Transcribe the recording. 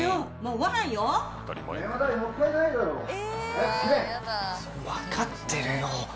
早分かってるよ。